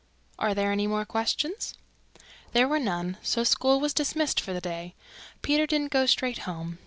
Are there any more questions?" There were none, so school was dismissed for the day. Peter didn't go straight home.